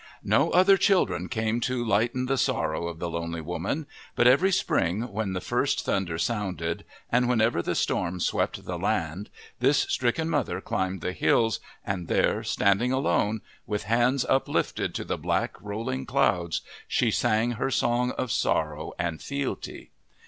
" No other children came to lighten the sorrow of the lonely woman, but every spring when the first 93 MYTHS AND LEGENDS Thunder sounded, and whenever the storm swept the land, this stricken mother climbed the hills, and there, standing alone, with hands uplifted to the black rolling clouds, she sang her song of sorrow and fealty.